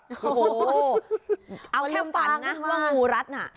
โอ้โหเอาลืมฝันนะว่างูรัดน่ะ